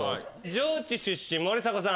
上智出身森迫さん。